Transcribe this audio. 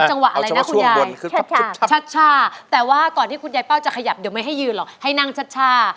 จังหวะอะไรนะคุณยายชัดแต่ว่าก่อนที่คุณยายเป้าจะขยับเดี๋ยวไม่ให้ยืนหรอกให้นั่งชัด